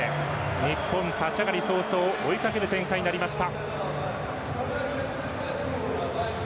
日本、立ち上がり早々追いかける展開になりました。